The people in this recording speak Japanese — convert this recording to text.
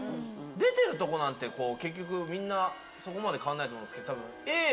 出てるとこなんて結局みんなそこまで変わらないと思うんですけど。